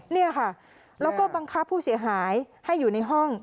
นี่ค่ะแล้วก็บังคับผู้เสียหายให้อยู่ในห้อง